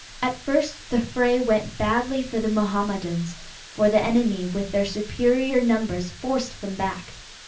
At first the fray went badly for the Mohammedans, for the enemy with their superior numbers forced them back.